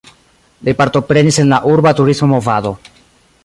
Li partoprenis en la urba turisma movado.